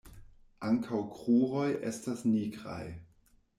Ankaŭ kruroj estas nigraj.